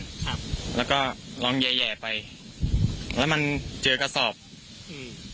ครับแล้วก็ลองแย่แย่ไปแล้วมันเจอกระสอบอืม